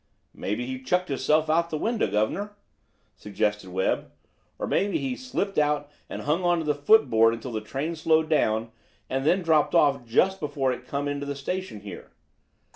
"Maybe he chucked hisself out of the window, guv'ner," suggested Webb; "or maybe he slipped out and hung on to the footboard until the train slowed down, and then dropped off just before it come into the station here."